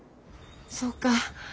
そうか。